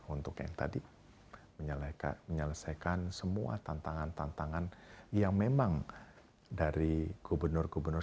untuk yang tadi menyelesaikan semua tantangan tantangan yang memang dari gubernur gubernur